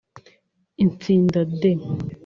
Itsinda D